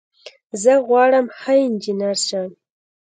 زه غواړم ښه انجنیر شم.